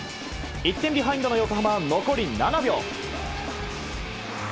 １点ビハインドの横浜は残り７秒。